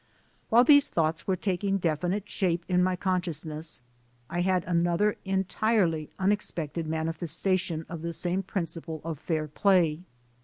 While these thoughts were taking definite shape in my consciousness, I had another entirely unex pected manifestation of the same principle of fair play.